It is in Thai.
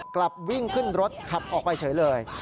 กลับวิ่งขึ้นรถขับออกไปเฉยเลย